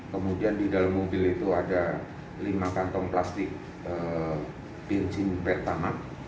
kemudian di dalam mobil itu ada lima kantong plastik bensin pertama